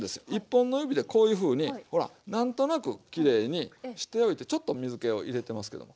１本の指でこういうふうにほら何となくきれいにしておいてちょっと水けを入れてますけど。